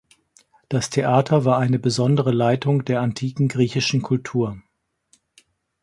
Das Theater war eine besondere Leitung der antiken griechischen Kultur.